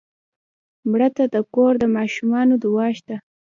مړه ته د کور د ماشومانو دعا شته